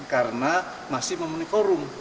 karena masih memenuhi korum